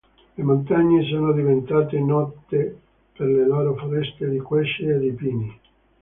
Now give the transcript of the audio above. Le montagne sono diventate note per le loro foreste di querce e di pini.